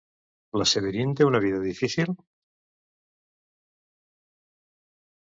La Séverine té una vida difícil?